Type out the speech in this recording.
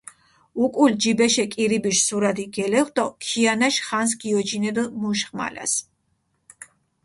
უკულ ჯიბეშე კირიბიშ სურათი გელეღჷ დო ქიანაშ ხანს გიოჯინედჷ მუშ ღმალას.